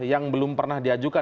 yang belum pernah diajukan